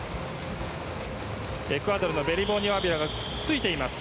エクアドルのペリボーニオ・アビラがついています。